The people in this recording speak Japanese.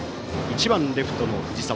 １番レフトの藤澤